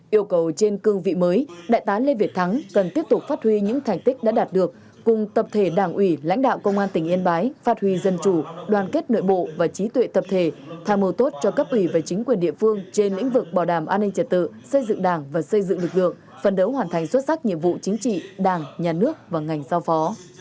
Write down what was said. yêu cầu trên cương vị mới đại tá lê việt thắng cần tiếp tục phát huy những thành tích đã đạt được cùng tập thể đảng ủy lãnh đạo công an tỉnh yên bái phát huy dân chủ đoàn kết nội bộ và trí tuệ tập thể tham mưu tốt cho cấp ủy và chính quyền địa phương trên lĩnh vực bảo đảm an ninh trật tự xây dựng đảng và xây dựng lực lượng phần đấu hoàn thành xuất sắc nhiệm vụ chính trị đảng nhà nước và ngành giao phó